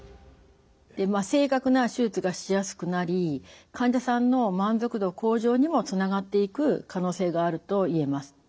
で正確な手術がしやすくなり患者さんの満足度向上にもつながっていく可能性があると言えます。